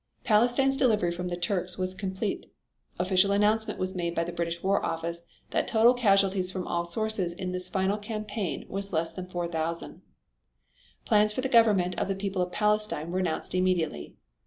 Palestine's delivery from the Turks was complete. Official announcement was made by the British War Office that the total casualties from all sources in this final campaign was less than 4,000. Plans for the government of the people of Palestine were announced immediately.